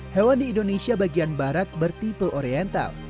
hewan di indonesia bagian barat bertipe oriental